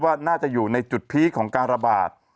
ว่าน่าจะอยู่ในจุดพีคของการระบาด